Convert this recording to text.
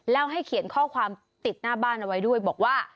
แล้วให้เขียนข้อความติดหน้าบ้านเอาไว้ด้วยบอกว่า